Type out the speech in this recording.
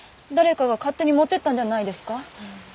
誰かが勝手に持ってったんじゃないですか？